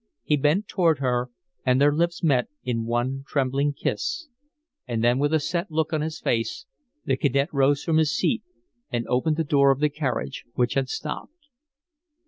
He bent toward her and their lips met in one trembling kiss. And then with a set look on his face the cadet rose from his seat and opened the door of the carriage, which had stopped.